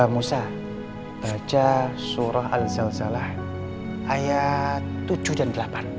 musa baca surah al zaw ayat tujuh dan delapan